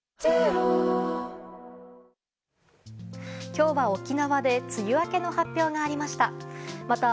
今日は沖縄で梅雨明けの発表がありました。